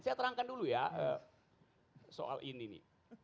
saya terangkan dulu ya soal ini nih